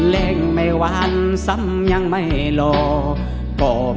เล่นไม่วันซ้ำยังไม่หลอก